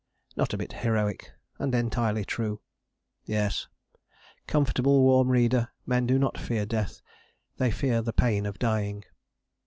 Not a bit heroic, and entirely true! Yes! comfortable, warm reader. Men do not fear death, they fear the pain of dying.